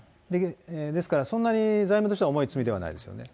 ですからそんなに罪名としては重い罪ではないですよね。